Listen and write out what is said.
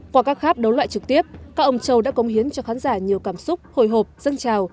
qua các kháp đấu loại trực tiếp các ông châu đã cống hiến cho khán giả nhiều cảm xúc hồi hộp dân chào